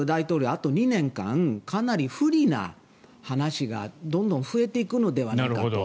あと２年間かなり不利な話が、どんどん増えていくのではないかと。